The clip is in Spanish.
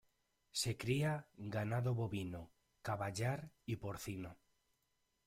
Se cría ganado bovino, caballar y porcino.